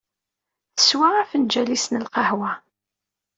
Teswa afenǧal-is n lqahwa.